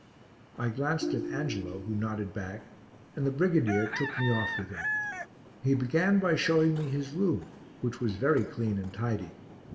I glanced at Angelo who nodded back and the brigadier took me off with him. He began by showing me his room which was very clean and tidy.